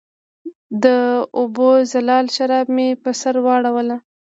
د اوبو زلال شراب مې پر سر واړوله